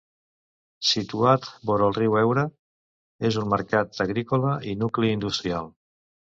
Situat vora el riu Eure, és un mercat agrícola i nucli industrial.